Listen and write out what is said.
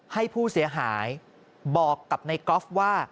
ให้ผู้เสียหายบอกกับนายกอล์ฟว่า